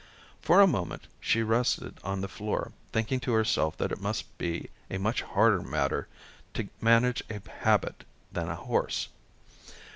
For a moment, she rested on the floor, thinking to herself that it must be a much harder matter to manage a habit than a horse.